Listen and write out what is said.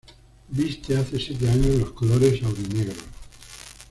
Viste hace siete años los colores aurinegros.